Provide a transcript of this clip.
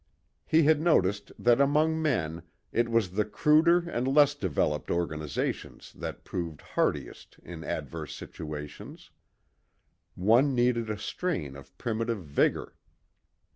He had noticed that among men it was the cruder and less developed organisations that proved hardiest in adverse situations; one needed a strain of primitive vigour.